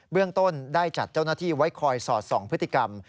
เรื่องต้นได้จัดเจ้าหน้าที่ไว้คอยสอดส่องพฤติกรรม